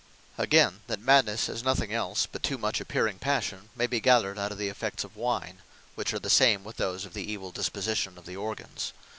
Again, that Madnesse is nothing else, but too much appearing Passion, may be gathered out of the effects of Wine, which are the same with those of the evill disposition of the organs.